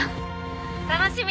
☎楽しみ！